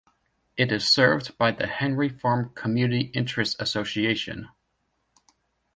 It is served by the Henry Farm Community Interest Association.